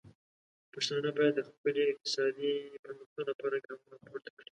پښتانه باید د خپل اقتصادي پرمختګ لپاره ګامونه پورته کړي.